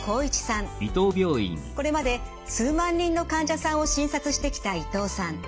これまで数万人の患者さんを診察してきた伊藤さん。